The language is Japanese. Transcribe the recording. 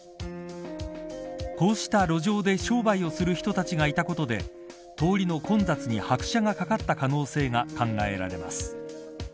こうした路上で商売をする人たちがいたことで通りの混雑に拍車がかかった可能性が考えられます。